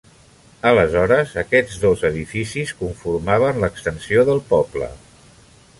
Aleshores, aquests dos edificis conformaven l'extensió del poble.